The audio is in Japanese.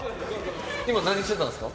今何してたんですか？